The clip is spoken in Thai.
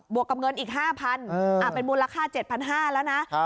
วกกับเงินอีก๕๐๐เป็นมูลค่า๗๕๐๐แล้วนะ